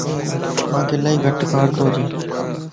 مانک الائي گٽ کارتواچي